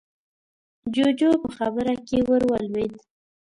جُوجُو په خبره کې ورولوېد: